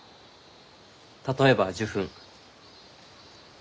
例えば受粉。